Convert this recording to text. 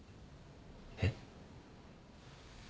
えっ？